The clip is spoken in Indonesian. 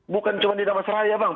bukan cuma di damas raya bang